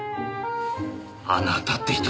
あなたって人は！